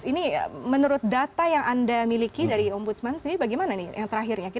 ini menurut data yang anda miliki dari om budsman ini bagaimana yang terakhirnya